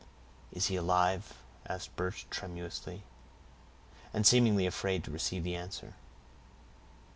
"Is he alive?" asked Birch, tremulously, and seemingly afraid to receive the answer.